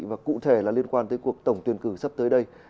và cụ thể là liên quan tới cuộc tổng tuyển cử sắp tới đây